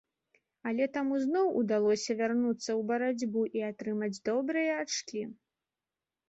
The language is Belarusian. Але таму зноў удалося вярнуцца ў барацьбу і атрымаць добрыя ачкі.